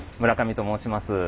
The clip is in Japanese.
村上と申します。